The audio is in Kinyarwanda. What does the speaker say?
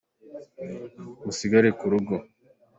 Musigare kurugo.